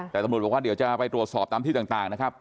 แต่ตำรวจบอกว่าเดี๋ยวจะไปตรวจสอบตามที่ต่างนะครับ